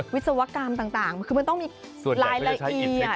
วิศวกรรมต่างคือมันต้องมีรายละเอียด